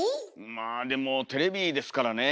まあでもテレビですからね。